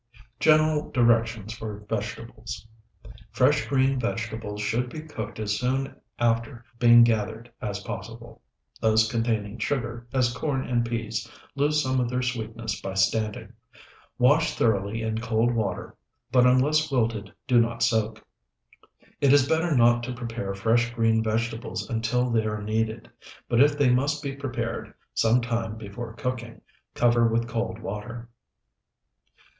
GENERAL DIRECTIONS FOR VEGETABLES Fresh green vegetables should be cooked as soon after being gathered as possible. Those containing sugar, as corn and peas, lose some of their sweetness by standing. Wash thoroughly in cold water, but unless wilted do not soak. It is better not to prepare fresh green vegetables until they are needed; but if they must be prepared some time before cooking, cover with cold water.